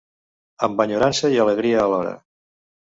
Amb enyorança i alegria alhora.